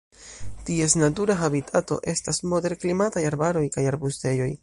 Ties natura habitato estas moderklimataj arbaroj kaj arbustejoj.